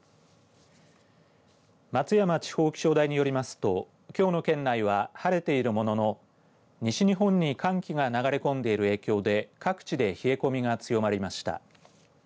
松山地方気象台によりますときょうの県内は晴れているものの西日本に寒気が流れ込んでいる影響で各地で冷え込みが強まりました。